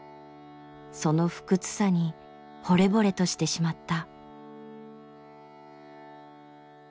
その不屈さにほれぼれとしてしまった。